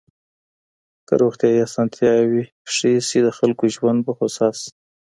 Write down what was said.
که روغتيايي اسانتياوي ښې سي د خلګو ژوند به هوسا سي.